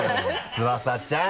翼ちゃん。